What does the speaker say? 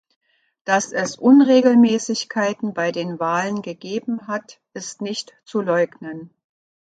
Dass es Unregelmäßigkeiten bei den Wahlen gegeben hat, ist nicht zu leugnen.